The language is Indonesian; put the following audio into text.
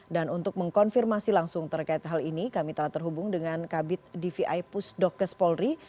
dan untuk mengkonfirmasi langsung terkait hal ini kami telah terhubung dengan kabit dvi pusdokkes polri